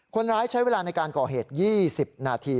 คนร้ายใช้เวลาในการก่อเหตุ๒๐นาที